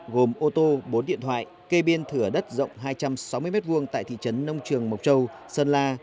gồm ô tô bốn điện thoại kê biên thửa đất rộng hai trăm sáu mươi m hai tại thị trấn nông trường mộc châu sơn la